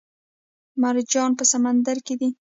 مرجانونه په سمندر کې دي